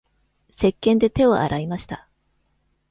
せっけんで手を洗いました。